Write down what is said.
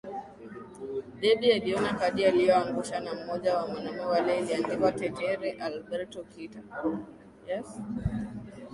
Debby aliona kadi iliyoangusha na mmoja wa wanaume wale iliandikwa Tetere Alberto Kito